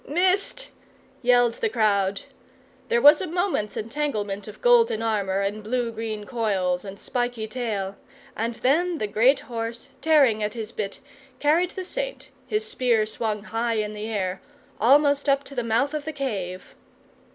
"Missed!" yelled the crowd. There was a moment's entanglement of golden armour and blue green coils, and spiky tail, and then the great horse, tearing at his bit, carried the Saint, his spear swung high in the air, almost up to the mouth of the cave.